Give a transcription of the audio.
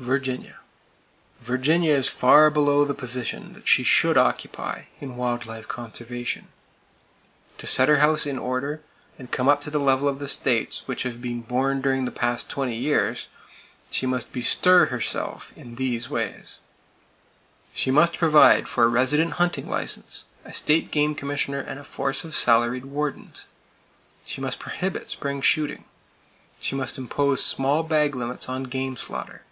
Virginia: Virginia is far below the position that she should occupy in wild life conservation. To set her house in order, and come up to the level of the states that have been born during the past twenty years, she must bestir herself in these ways: She must provide for a resident hunting license, a State Game Commissioner and a force of salaried wardens. She must prohibit spring shooting. She must impose small bag limits on game slaughter.